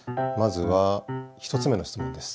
では２つ目の質問です。